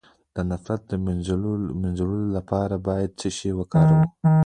د نفرت د مینځلو لپاره باید څه شی وکاروم؟